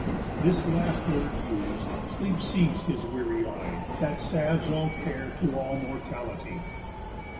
This last word us'd, sleep seiz'd his weary eye That salves all care to all mortality.